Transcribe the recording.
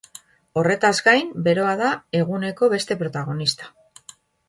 Horretaz gain, beroa da eguneko beste protagonista.